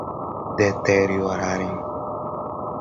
deteriorarem